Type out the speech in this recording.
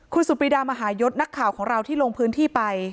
คุณสุดปรีดามหายศนักข่าวของเราที่ลงพื้นที่ไป